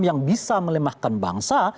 yang bisa melemahkan bangsa